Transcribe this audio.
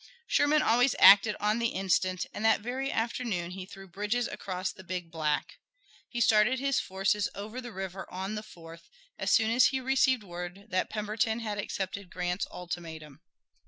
Sherman always acted on the instant, and that very afternoon he threw bridges across the Big Black. He started his forces over the river on the 4th as soon as he received word that Pemberton had accepted Grant's ultimatum.